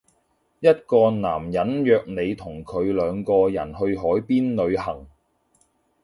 一個男人約你同佢兩個人去海邊旅行